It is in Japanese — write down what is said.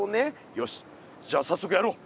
よしじゃさっそくやろう。